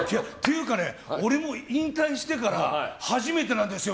俺、引退してから初めてなんですよ。